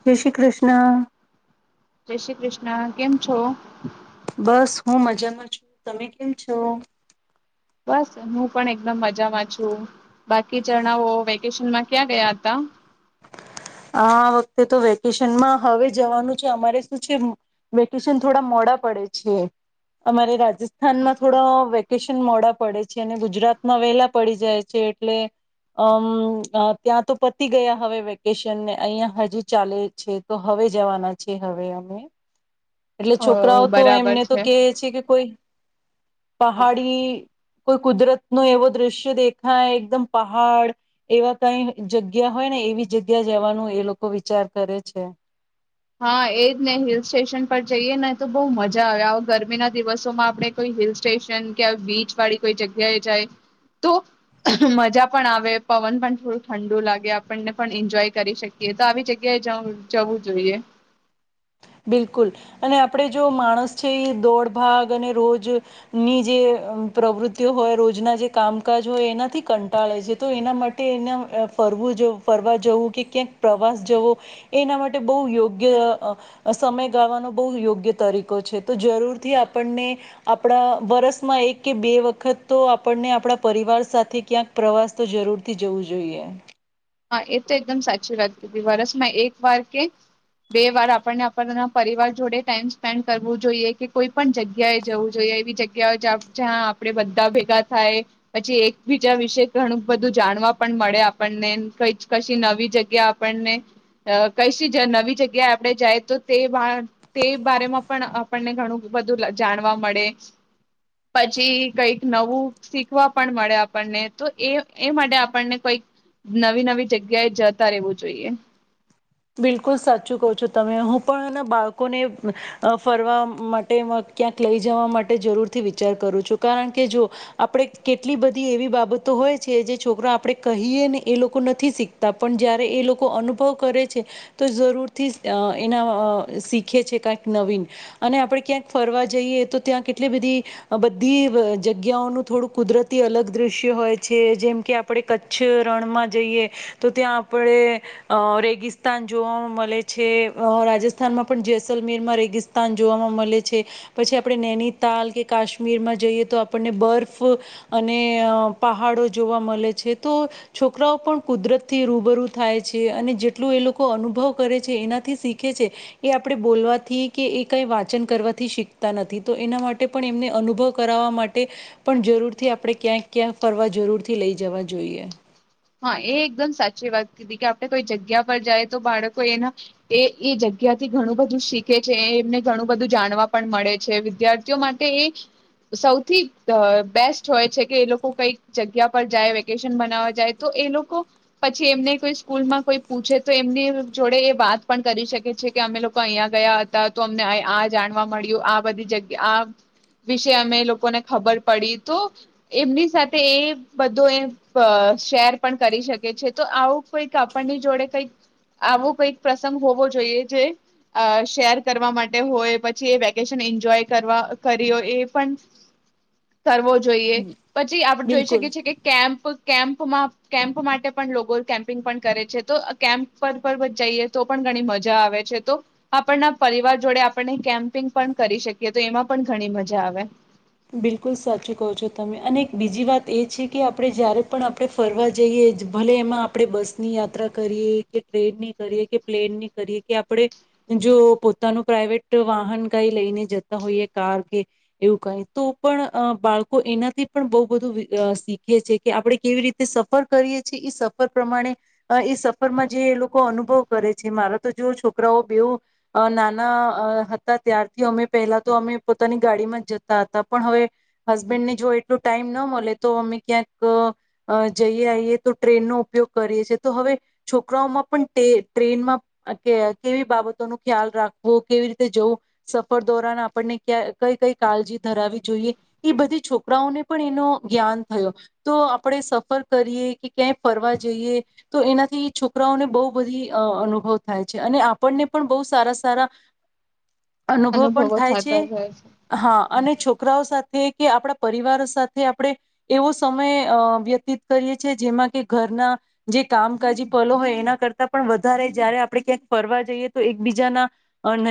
જય શ્રી કૃષ્ણ. જય શ્રી કૃષ્ણ કેમ છો. બસ હું મજામાં છું તમે કેમ છો. બસ હું પણ એકદમ મજામાં છું બાકી જણાઓ વેકેશનમાં ક્યાં ગયા હતા. આ વખતે તો વેકેશનમાં હવે જવાનું છે અમારે શું છે વેકેશન થોડા મોડા પડે છે, અમારે રાજસ્ થાનમાં થોડો વેક્ કેશન મોડા પડે છે અને ગુજરાતમાં વેલા પડી જાય છે એટલે અમ ત્યાં તો પતી ગયા હવે વેક્ કેશનને અઈયાં હજી ચાલે છે તો હવે જવાના છે હવે અમે એટલે અ છોકરાઓ તો બરાબર એમને તો કેહ છે કે કોઈ પહાડી કોઈ કુદરતનો એવો દ્રશ્ય દેખાય એકદમ પહાડ એવા કઈ જગ્યા હોય ને એવી જગ્યાએ જવાનું એ લોકો વિચાર કરે છે. હાં એજ ને હિલ સ્ટેશન પર જઈએ ને તો બઉ મજા આવે, આવુ ગરમીના દિવસોમાં આપણે કોઈ હિલ સ્ટેશન કે આવી બીચ વાળી કોઈ જગ્યાએ જાય તો મજા પણ આવે પવન પણ થોડું ઠંડુ લાગે આપણને પણ એન્જોય કરી શકીએ તો આવી જગ્યાએ જવુ જવું જોઈએ. બિલકુલ અને આપડે જો માણસ છે એ દોડ ભાગ અને રોજની જે પ્રવૃતિઓ હોય રોજના જે કામકાજ હોય એનાથી કંટાળે છે તો એના માટે એના ફરવું જો ફરવા જવું કે ક્યાંક પ્રવાસ જવો એ એના માટે બઉ યોગ્ય અ સમય ગાવાનો બહુ યોગ્ય તરીકો છે તો જરૂરથી આપણને આપણા વરસમાં એક કે બે વખત તો આપણને આપણા પરિવાર સાથે ક્યાંક પ્રવાસ તો જરૂરથી જવું જોઈએ. હાં એ તો એકદમ સાચી વાત કીધી વરષમાં એક વાર કે બે વાર આપણને આપણના પરિવાર જોડે ટાઈમ સ્પેન્ડ કરવું જોઈએ કે કોઈ પણ જગ્યાએ જવું જોઈએ એવી જગ્યા હોય જ જ્યાં આપણે બધા ભેગા થાયે પછી એકબીજા વિશે ઘણું બધું જાણવા પણ મળે આપણને કંઈ જ કશી નવી જગ્યા આપણને કશી જ નવી જગ્યાએ આપડે જાયે તો તે તે બારેમાં પણ આપણને ઘણું બધું જાણવા મળે પછી કઈક નવું શીખવા પણ મળે આપણને તો એ એ માટે આપણને કંઈક નવી નવી જગ્યાએ જતા રેવું જોઈએ. બિલકુલ સાચું કહો છો તમે હું પણ એના બાળકોને ફરવા માટે મ ક્યાંક લઈ જવા માટે જરૂરથી વિચાર કરું છું કારણ કે જો આપડે કેટલી બધી એવી બાબતો હોય છે જે છોકરા આપડે કહીએ ને એ લોકો નથી શીખતા પણ જયારે એ લોકો અનુભવ કરે. છે તો ઝરૂર થી એના અ શીખે છે કંઈક નવીન અને આપડે ક્યાંક ફરવા જઈએ તો ત્યાં કેટલી બધી બધી જગ્યાઓનું થોડું કુદરતી અલગ દ્રશ્ય હોય છે જેમ કે આપડે કચ્છ રણમાં જઈએ તો ત્યાં આપડે અ રેગિ સ્તાન જોવામાં મલે છે, અ રાજસ્થાનમાં પણ જેૈસલમેરમાં રેગિસ્તાન જોવામાં મલે છે પછી આપણે નૈનીતાલ કે કાશ્મીરમાં જઈએ તો આપણને બર્ફ અને પહાડો જોવા મલે છે, તો છોકરાઓ પણ કુદરતથી રૂબરૂ થાય છે અને જેટ ટલું એ લોકો અનુભવ કરે છે એનાથી શીખે છે એ આપણે બોલવાથી કે એ કઈ વાંચન કરવાથી શીખતા નથી, તો એના માટે પણ એમને અનુભવ કરાવવા માટે પણ જરૂરથી આપણે ક્યાંક ક્યાં ફરવા જરૂરથી લઈ જવા જોઈએ. હાં એ એકદમ સાચી વાત કીધી કે આપણે કોઈ જગ્યા પર જાયે તો બાળકો એના એ એ જગ્યાથી ઘણું બધું શીખે છે એમને ઘણું બધું જાણવા પણ મળે છે વિદ્યાર્થીઓ માટે એ સૌથી બેસ્ટ હોય છે કે એ લોકો કંઈક જગ્યા પર જાય વેકેશન મનાવવા જાય. તો એ લોકો પછી એમને કોઈ સ્કૂલમાં કોઈ પૂછે તો એમની જોડે એ વાત પણ કરી શકે છે કે અમે લોકો અઈયા ગયા હતા, તો અમને આય આ જાણવા મળ્યું આ બધી જગ્યા આ વિશે અમે એ લોકોને ખબર પડી તો એમની સાથે એ બધું એ પ શેર પણ કરી શકે છે, તો આવું કઈક આપણની જોડે કઈક આવું કઈક પ્રસંગ હોવો જોઈએ જે અ શેર કરવા માટે હોય પછી એ વેકેશન એન્જોય કરવા કરી હો એ પણ કરવો જોઈએ, પછી આપણે જોઈ બિલકુલ શકીએ છીએ કે કેમ્પ કેમ્પ મ્પ માં કેમ્પ માટે પણ લોકો કેમ્પિંગ પણ કરે છે તો કેમ્પ પર પર જઈએ તો પણ ઘણી મજા આવે છે તો આપણના પરિવાર જોડે આપણને કેમ્પિંગ પણ કરી શકીએ તો એમાં પણ ઘણી મજા આવે. બિલકુલ સાચું કહો છો તમે અને બીજી વાત એ છે કે આપણે જયારે પણ આપણે ફરવા જઈએ ભલે એમાં આપણે બસની યાત્રા કરીએ કે ટ્રેનની કરીએ કે પ્લેનની કરીએ કે આપણે, જો પોતાનું પ્રાઇવેટ વાહન કાઈ લઈને જતા હોઈએ કાર કે એવું કઈ તો પણ બાળકો એનાથી પણ બહુ બધું શીખે છે કે આપણે કેવી રીતે સફર કરીએ છેએ એ સફર પ્રમાણે, એ સફર માં જે એ લોકો અનુભવ કરે છે મારા તો જો છોકરાઓ બેવ, નાના હતા ત્યારથી અમે પહેલા તો અમે પોતાની ગાડીમાં જ પણ હવે, હસબેન્ડને જો એટલો ટાઈમ ના મળે તો અમે ક્યાંક જઈએ આઈએ તો ટ્રેનનો ઉપયોગ કરીએ છી તો હવે છોકરાઓમાં પણ ટ્રેનમાં કે કેવી બાબતો ન ખ્યાલ રાખવો કેવી રીતે જવું, સફર દોરાન આપણને ક્યા કઈ કઈ કાળજી ધરાવી જોઈએ, એ બધી છોકરાઓને પણ એનો જ્ઞાન થયો, તો આપણે સફર કરીએ કે ક્યાંય ફરવા જઈએ, તો એનાથી છોકરાઓને બહુ બધી અનુભવ થાય છે અને આપણને પણ બહુ સારા સારા અનુભવ પણ અનુભવો થાય થતા છે, રહે હા. છોકરાઓ સાથે કે આપણા પરિવારો સાથે આપણે, એવો સમય વ્યતીત કરીએ છીએ જેમાં કે ઘરના, જે કામકાજી પલો હોય એના કરતા પણ વધારે જયારે આપણે ક્યાંક ફરવા જઈએ તો એકબીજાના,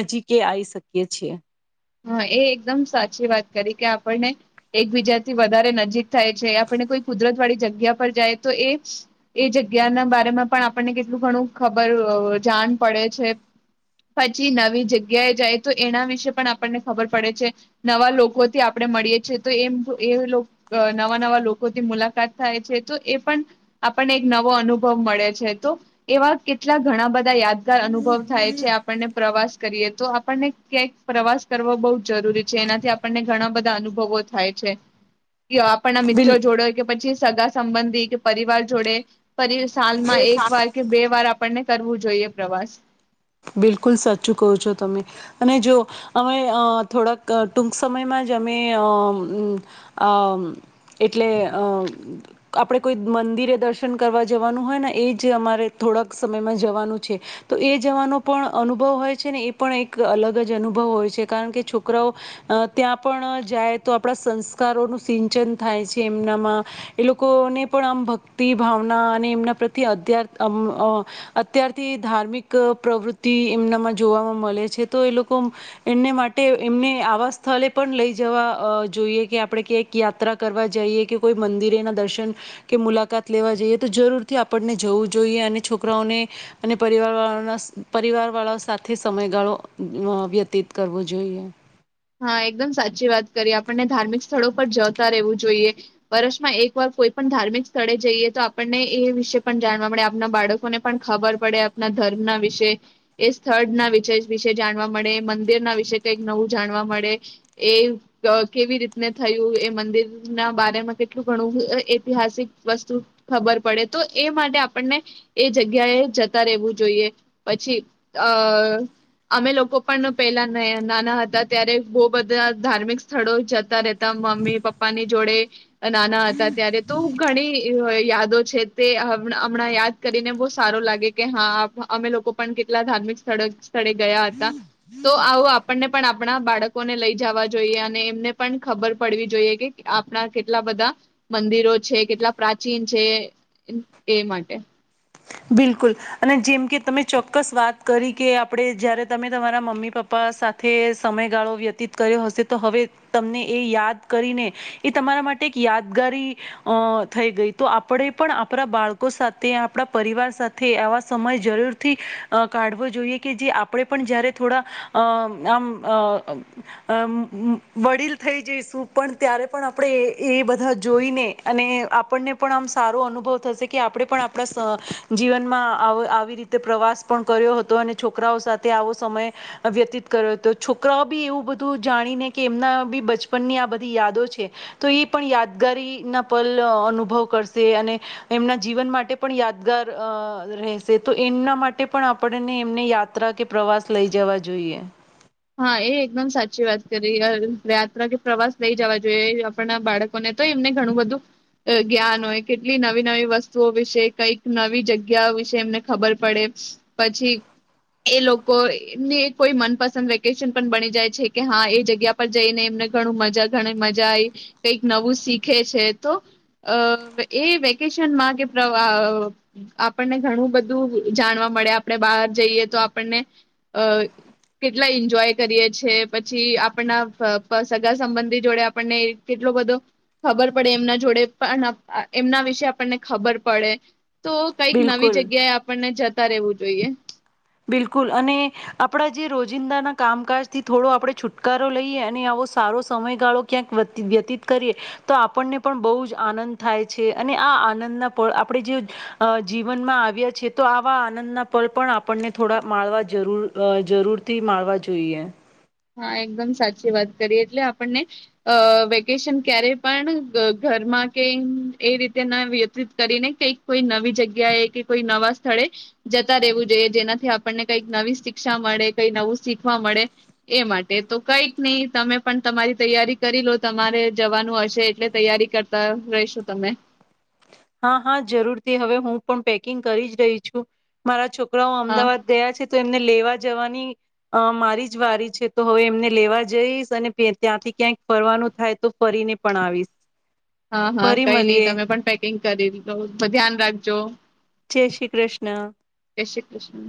નજીકે આવી શકીએ છીએ. હા એ એકદમ સાચી વાત કરી કે આપણને, એકબીજાથી વધારે નજીક થાય છે આપને કોઈ કુદરત વાળી જગ્યા પર જાય તો એ, એ જગ્યાના બામાં પણ આપણને કેટલું ઘણું ખબર જાણ પડે છે, પછી નવી જગ્યાએ જાય તો એના વિશે પણ આ આપણને ખબર પડે છે, નવા લોકોથી આપણે મળીએ છીએ તો એમ એ લો નવા નવા લોકોથી મુલાકાત થાય છે તો એ પણ, આપણને એક નવો અનુભવ મળે છે, તો એવા કેટલા ઘણા બધા યાદ અનુભવ થાય છે આપણને પ્રવાસ કરીએ તો આપણને ક્યાંક પ્રવાસ કરવો બહુ જરૂરી છે એનાથી આપણને ઘણા બધા અનુભવો થાય છે. કી આપણના મિત્રો બિલ જોડો કે પછી સગા સંબંધી કે પરિવાર જોડે ફરી સાલમાં એક વાર કે બે વાર આપણને કરવું જોઈએ પ્રવાસ. બિલકુલ સાચું કહો છો તમે. અને જો અમે અહ થોડાક ટૂંક સમયમાં જ અમે અહ અમ્મ આ એટલે અહ આપણે કોઈ મંદિરે દર્શન કરવા જવાનું હોય ને એ જ અમારે થોડાક સમયમાં જવાનું છે, તો એ જવાનું અનુભવ હોય છે ને એ પણ એક અલગ જ અનુભવ હોય છે કારણ કે છોકરાઓ, અહ ત્યાં પણ જાય તો આપણા સંસ્કારોનું સિંચન થાય છે એમનામાં, એ લોકોને પણ આમ ભક્તિ ભાવના અને એમના પ્રત્યે અધ્યાર અમ્મ અહ અત્યારથી ધાર્મિક પ્રવૃ તિ એમનામાં જોવામાં મલે છે તો એ લોકો, એમને માટે એમને આવા સ્થલે પણ લઈ જવા અહ જોઈએ કે આપણે કે એક યાત્રા કરવા જઈએ કે કોઈ મંદિરેના દર્શન, કે મુલાકાત લેવા જઈએ તો જરૂરથી આપણને જવું જોઈએ અને છોકરાઓને, અને પરિવાર વાળાના પરિવાર વાળા સાથે સમયગાળો અહ વ્યતીત કરવો જોઈએ. હા એકદમ સાચી વાત કરી આપણને ધાર્મિક સ્થળો પર જતા રહેવું જોઈએ. વર્ષમાં એક વાર કોઈ પણ ધાર્મિક સ્થળે જઈએ તો આપણને એ વિશે પણ જાણવા મળે આપના બાળકોને પણ ખબર પડે આપના ધર્મના વિશે. એ સ્થળના વિશે જાણવા મળે, મંદિરના વિશે કઈક નવું જાણવા મળે. એ અહ કેવી રીતને થયું એ મંદિર ના બારે માં કેટલું ઘણું એ ઐતિહાસિક વસ્તુ ખબર પડે તો એ માટે આપણને, એ જગ્યાએ જતા રહેવું જોઈએ. પછી અહ અમે લોકો પણ પેલા નય નાના હતા ત્યારે બોહ બધા ધાર્મિક સ્થળો જતા રહેતા મમ્મી પપ્પા ની જોડે અ નાના હતા ત્યારે તો ઘણી એ યાદો છે. તે હમણાં-હમણાં યાદ કરીને બહુ સારું લાગે કે હા અમે લોકો પણ કેટલા ધાર્મિક સ્થળે-સ્થળે ગયા હતા. તો આવું આપણને પણ આપ પણા બાળકોને લઈ જવા જોઈએ અને એમને પણ ખબર પડવી જોઈએ કે આપણા કેટલા બધા મંદિરો છે, કેટલા પ્રાચીન છે એ માટે. બિલકુલ, અને જેમ કે તમે ચોક્કસ વાત કરી કે આપણે જયારે તમે તમારા મમ્મી પપ્પા સાથે સમયગાળો વ્યતીત કર્યો હશે તો હવે તમને એ યાદ કરીને, એ તમારા માટે એક યાદગારી, અહ થઈ ગઈ તો આપણે પણ આપણા બાળકો સાથે આપણા પરિવાર સાથે આવા સમય જરૂરથી, અહ કાઢવો જોઈએ કે જે આપણે પણ જયારે થોડા, અહ અમ્મ અહ અમ્મ વ-વડીલ થઈ જઈશું પણ ત્યારે પણ આપણે એ એ બધા જોઈને અને આપણને પણ આમ સારો અનુભવ થશે કે આપણે પણ આપણા ત જીવનમાં આવ-આવી રીતે પ્રવાસ પણ કર્યો હતો અને છોકરાઓ સાથે આવો સમય, વ્યતીત કર્યો તો. છોકરાઓ બી એવું બધું જાણીને કે એમના બી બચપનની આ બધી યાદો છે, તો એ પણ યાદગારીના પલ અહ અનુભવ કરશે અને એમના જીવન માટે પણ યાદગાર અહ રહેશે. તો એમના માટે પણ આપણને એમને યાત્રા કે પ્રવાસ લઈ જવા જોઈએ. હા, એ એકદમ સાચી વાત કરી. યા-યાત્રા કે પ્રવાસ લઈ જવા જોઈએ આપણ નાં બાળકોને તો એમને ઘણું, બધું જ્ઞાન હોય કેટલી નવી નવી વસ્તુઓ વિશે કઈક નવી જગ્યા વિશે એમને ખબર પડે. પછી એ લોકો એમની કોઈ મનપસંદ વ્ય ટેશન પણ બની જાય છે કે હા એ જગ્યા પર જઈને એમને ઘણું મજા ઘણી મજા આવી, કઈક નવું શીખે છે. તો અહ એ વેકેશનમાં કે પ્રવા આહ અહ આપણને ઘણું બધું જાણવા મળે આપણે બહાર જઈએ તો આપણને, અહ કેટલા ઈ જોય કરીએ છીએ. પછી આપણના પ પ સગા સંબંધી જોડે આપણને કેટલો બધો, ખબર પડે એમના જોડે પણ આહ એમના વિશે આપણને ખબર પડે. તો કંઈક નવી બિલકુલ જગ્યાએ આપણને જ તા રહેવું જોઈએ. બિલકુલ અને, આપડા જે રોજિંદાના કામકાજથી થોડો આપણે છુટકારો લઈએ અને આવો સારો સમયગાળો ક્યાંક વ્ય-વ્યતીત કરીએ, તો આપણને પણ બહુ જ આનંદ થાય છે. અને આ આનંદના પળ આપણે જે, અહ જીવનમાં આવ્યા છે તો આવા આનંદના પળ પણ આપણને થોડા માળવા જરૂર અહ જરૂર થી માણવા જોઈએ. હા એકદમ સાચી વાત કરીએ. એટલે આપણને આહ વેકેશન ક્યારે પણ ઘરમાં કે એ રીતે ના વ્યતિત કરીને કઈક કોઈ નવી જગ્યાએ કે કોઈ નવા સ્થળે, જતા રહેવું જોઈએ. જેનાથી આપણને કંઈક નવી શિક્ષા મળે કઈ નવું શીખવા મળે એ માટે. તો કઈક નહી તમે પણ તમારી તૈયારી કરી લો તમારે જવાનું હશે એટલે તૈયારી કરતા રશો તમે. હા હા જરૂરથી હવે હું પણ પેકિંગ કરી જ રહી છું, મારા છો કરાઓ હા અમદાવાદ ગયા છે તો એમને લેવા જવાની અહ મારી જ વારી છે. તો હવે એમને લેવા જઈશ અને ફેર ત્યાંથી ક્યાંક ફરવાનું થાય તો ફરીને પણ આવીશ. હા હા ફરી કઈ નઈ મળીએ તમે પણ પેકિંગ કરીલો, ધ્યાન રાખજો. જય શ્રી કૃષ્ણા. જય શ્રી કૃષ્ણ